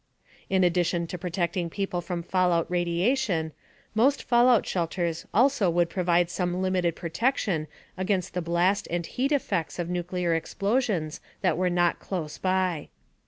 In addition to protecting people from fallout radiation, most fallout shelters also would provide some limited protection against the blast and heat effects of nuclear explosions that were not close by.